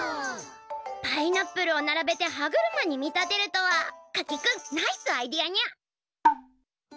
パイナップルを並べて歯車に見立てるとはかき君ナイスアイデアにゃ！